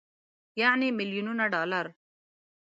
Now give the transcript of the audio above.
يعنې ميليونونه ډالر.